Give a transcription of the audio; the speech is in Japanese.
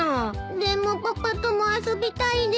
でもパパとも遊びたいです。